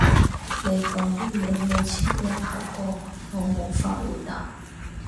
你講啲嘢冇前因後果，我無法回答